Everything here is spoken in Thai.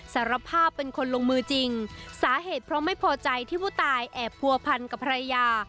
สารภาพเป็นคนลงมือจริงสาเหตุเพราะไม่พอใจที่ผู้ตายแอบผัวพันกับภรรยา